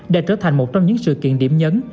để trở thành một trong những sự kiện điểm nhấn